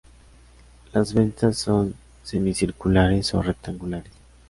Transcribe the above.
Las ventanas son semicirculares o rectangulares.